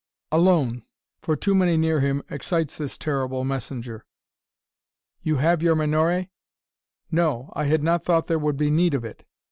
"Alone for too many near him excites this terrible messenger. You have your menore?" "No. I had not thought there would be need of it."